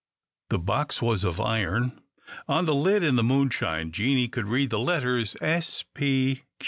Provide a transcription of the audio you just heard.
The box was of iron. On the lid, in the moonshine, Jeanie could read the letters S.